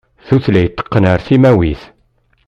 Tutlayt teqqen ar timawit.